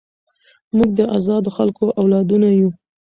موږ د ازادو خلکو اولادونه یو.